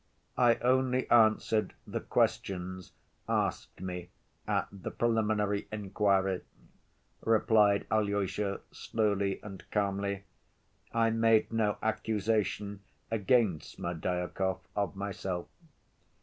"I only answered the questions asked me at the preliminary inquiry," replied Alyosha, slowly and calmly. "I made no accusation against Smerdyakov of myself."